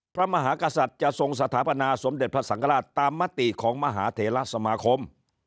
พระมหากษัตริย์จะทรงสถาปนาสมเด็จพระสังฆราชตามมติของมหาเทราสมาคม